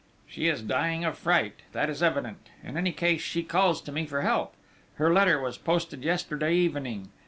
"She is dying of fright! That is evident!... In any case she calls to me for help. Her letter was posted yesterday evening....